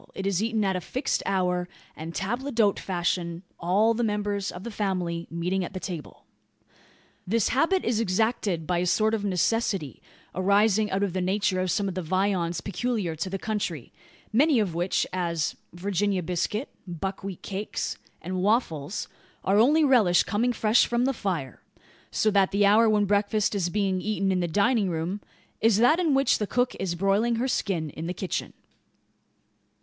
It is eaten at a fixed hour, and table d'hote fashion all the members of the family meeting at the table. This habit is exacted by a sort of necessity, arising out of the nature of some of the viands peculiar to the country; many of which, as "Virginia biscuit," "buckwheat cakes," and "waffles," are only relished coming fresh from, the fire: so that the hour when breakfast is being eaten in the dining room, is that in which the cook is broiling her skin in the kitchen.